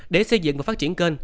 để xây dựng và phát triển kênh